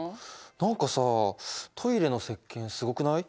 何かさトイレのせっけんすごくない？